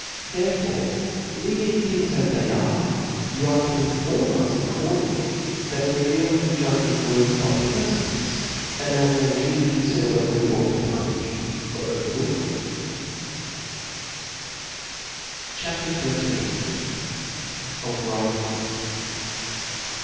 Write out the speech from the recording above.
Tberefore leaving things as tbey are, you ^' are to inform us aecordingly, tbat we may be able to ^^ judge of words by ferfons, and tbat we may duly " colder wbetber we ougbt ttf punijb or overlook '« tbemr CHAP. Xill. Of Writings.